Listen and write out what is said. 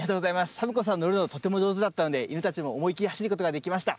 サボ子さんのるのとてもじょうずだったので犬たちもおもいきりはしることができました。